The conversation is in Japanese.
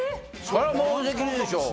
そらもうできるでしょ。